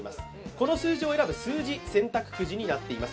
この数字を選ぶ数字、選択くじになっています。